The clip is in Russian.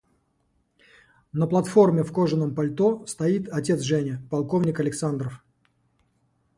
На платформе в кожаном пальто стоит отец Жени – полковник Александров.